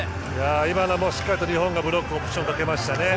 今のもしっかりと日本のブロックオプションかけましたね。